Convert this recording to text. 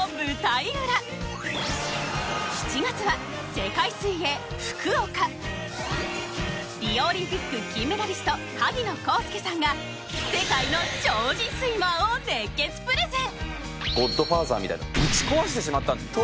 ７月はリオオリンピック金メダリスト萩野公介さんが世界の超人スイマーを熱血プレゼン！